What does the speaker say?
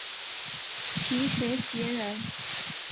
齐学裘人。